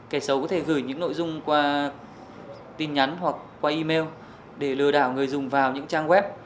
kẻ xấu có thể gửi những nội dung qua tin nhắn hoặc qua email để lừa đảo người dùng vào những trang web